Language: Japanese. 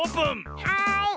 はい。